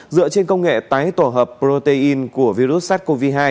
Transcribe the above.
dựa trên công nghệ tái tổ hợp protein của virus sars cov hai